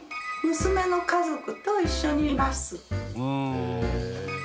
娘の家族と一緒にいます。